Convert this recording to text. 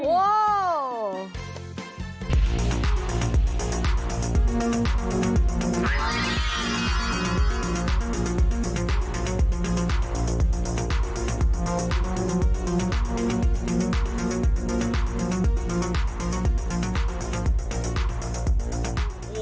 โอ้โห